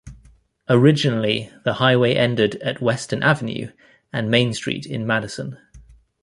Originally, the highway ended at Western Avenue and Main Street in Madison.